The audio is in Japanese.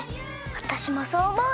わたしもそうおもう！